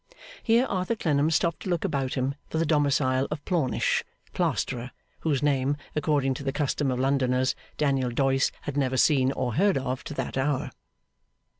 Here Arthur Clennam stopped to look about him for the domicile of Plornish, plasterer, whose name, according to the custom of Londoners, Daniel Doyce had never seen or heard of to that hour.